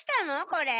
これ。